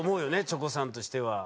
チョコさんとしては。